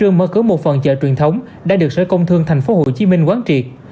trường mở cửa một phần chợ truyền thống đã được sở công thương tp hcm quán triệt